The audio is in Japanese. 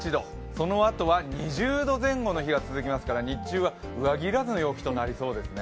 そのあとは２０度前後の日が続きますから日中は上着いらずの陽気となりそうですね。